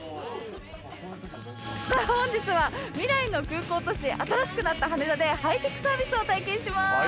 本日は未来の空港都市新しくなった羽田でハイテクサービスを体験します。